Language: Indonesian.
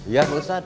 iya pak ustadz